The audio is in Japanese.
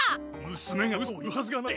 娘がウソを言うはずがない！